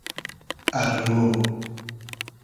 ارمۉ